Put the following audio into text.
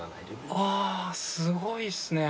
あすごいっすね。